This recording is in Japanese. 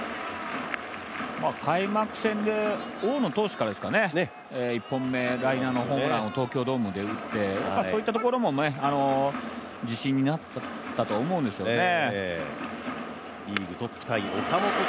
開幕戦で大野投手から１本目ライナーのホームランを東京ドームで打って、そういったところも自信になったとは思うんですよね。